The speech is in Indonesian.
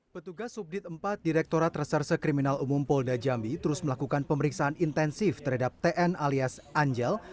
petugas subdit empat direkturat reserse kriminal umum polda jambi terus melakukan pemeriksaan intensif terhadap tn alias angel